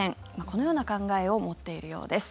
このような考えを持っているようです。